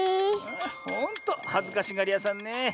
ほんとはずかしがりやさんねえ。